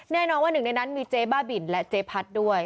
แน่นอนว่าหนึ่งในนั้นมีเจ๊บ้าบินและเจ๊พัดด้วย